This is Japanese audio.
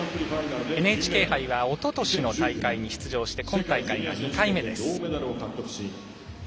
ＮＨＫ杯はおととしの大会に出場して今大会が２回目です。